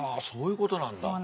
そういうことなんだ。